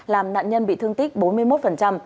làm nạn nhân bị thương tích bốn mươi một